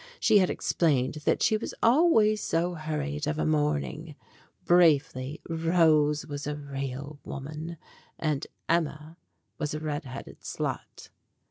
She had explained that she was always so hurried of a morning. Briefly, Rose was a real woman, and Emma was a red headed slut.